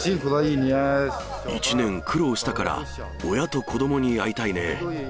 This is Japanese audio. １年苦労したから、親と子どもに会いたいね。